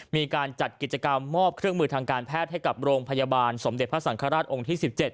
มีการจัดกิจกรรมมอบเครื่องมือทางการแพทย์ให้กับโรงพยาบาลสมเด็จพระสังฆราชองค์ที่๑๗